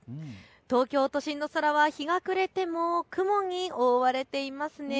東京都心の空は日が暮れても雲に覆われています。